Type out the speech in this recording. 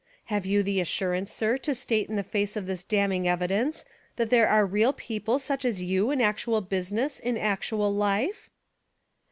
Have you the as surance, sir, to state in the face of this damning evidence, that there are real people such as you in actual business In actual life?"